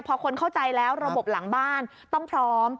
พอคนเข้าใจแล้วระบบหลังบ้านต้องพร้อม